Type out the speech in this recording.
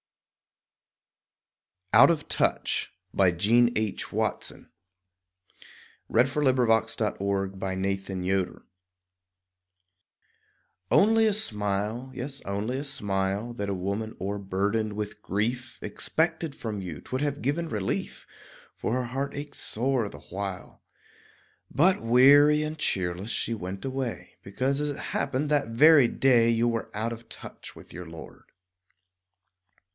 d or denied, Our hearts shall be all satisfied. Susan Coolidge. OUT OF TOUCH Only a smile, yes, only a smile That a woman o'erburdened with grief Expected from you; 'twould have given relief, For her heart ached sore the while; But weary and cheerless she went away, Because, as it happened, that very day You were "out of touch" with your Lord.